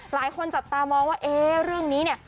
หลายคนจับตามองว่าเอ๊ะเรื่องนี้เนี่ย